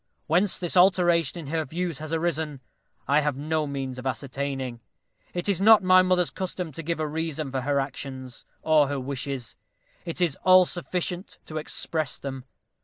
Whence this alteration in her views has arisen, I have no means of ascertaining; it is not my mother's custom to give a reason for her actions, or her wishes: it is all sufficient to express them.